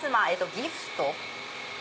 ギフト！